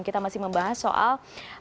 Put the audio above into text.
kita masih membahas soal